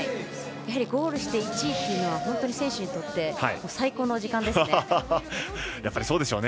やはりゴールして１位っていうのは選手にとって最高の時間ですね。